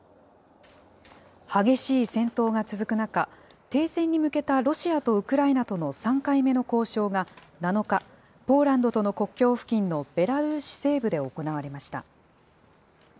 激しい戦闘が続く中、停戦に向けたロシアとウクライナとの３回目の交渉が７日、ポーランドとの国境付近のベラルーシ西部で行われました。